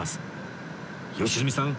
良純さん